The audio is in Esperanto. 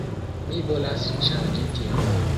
Mi volas ŝanĝi tion.